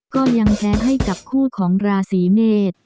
ก็ยังแพ้ให้กับคู่ของราศีเมษ